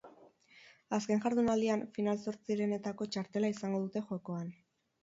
Azken jardunaldian final-zortzirenetarako txartela izango dute jokoan.